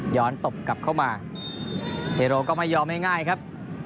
ตบกลับเข้ามาเทโรก็ไม่ยอมง่ายครับ